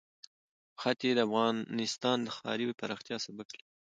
ښتې د افغانستان د ښاري پراختیا سبب کېږي.